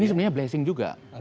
ini sebenarnya blessing juga